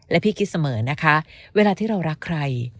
และพี่คิดเสมอนะคะเวลาที่เรารักใคร